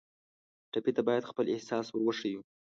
ټپي ته باید خپل احساس ور وښیو.